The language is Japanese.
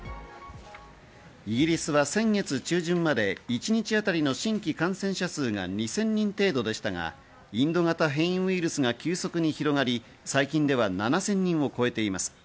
イギリスは先月中旬まで一日当たりの新規感染者数が２０００人程度でしたが、インド型変異ウイルスが急速に広がり、最近では７０００人を超えています。